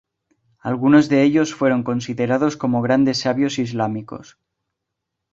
Algunos de ellos fueron considerados como grandes sabios islámicos.